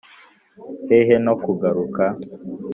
Hehe no kugaruka